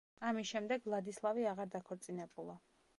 ამის შემდეგ ვლადისლავი აღარ დაქორწინებულა.